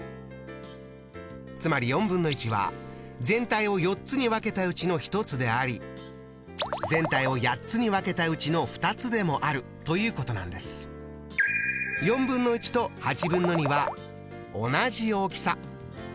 つまりは全体を４つに分けたうちの１つであり全体を８つに分けたうちの２つでもあるということなんです。とは同じ大きさ。